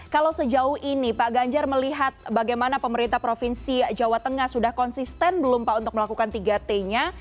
kalau sejauh ini pak ganjar melihat bagaimana pemerintah provinsi jawa tengah sudah konsisten belum pak untuk melakukan tiga t nya